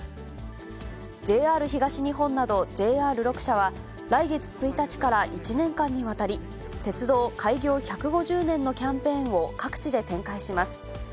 ＪＲ東日本などＪＲ６社は、来月１日から１年間にわたり、鉄道開業１５０年のキャンペーンを各地で展開します。